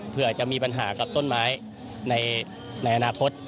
เพื่อจะมีปัญหากับต้นไม้ในอนาคต